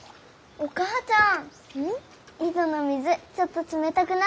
お母ちゃん！